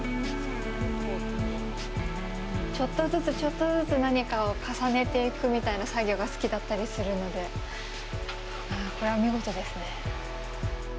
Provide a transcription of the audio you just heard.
ちょっとずつ、ちょっとずつ何かを重ねていくみたいな作業が好きだったりするのでこれは見事ですね。